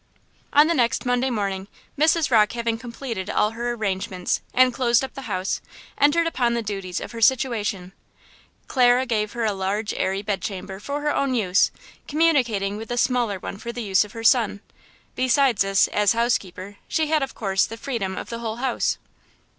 On the next Monday morning Mrs. Rocke having completed all her arrangements, and closed up the house, entered upon the duties of her situation. Clara gave her a large, airy bed chamber for her own use, communicating with a smaller one for the use of her son; besides this, as housekeeper, she had of course, the freedom of the whole house.